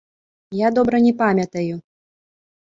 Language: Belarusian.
Я добра не памятаю.